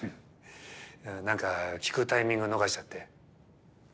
なんか聞くタイミング逃しちゃって。